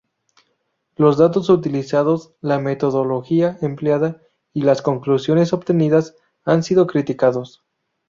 Los datos utilizados, la metodología empleada y las conclusiones obtenidas han sido criticados.